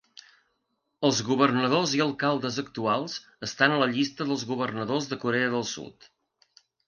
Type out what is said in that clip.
Els governadors i alcaldes actuals estan a la llista dels governadors de Corea del Sud.